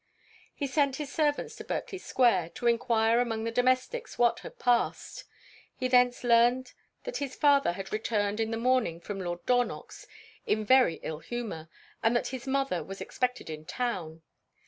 He sent his servants to Berkley square, to enquire among the domestics what had passed. He thence learned that his father had returned in the morning from Lord Dornock's in very ill humour, and that his mother was expected in town.